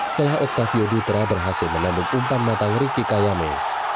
setelah octavio dutra berhasil menandung umpan matang ricky kayame